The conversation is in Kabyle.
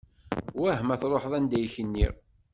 Wah ma truḥeḍ anda i k-nniɣ?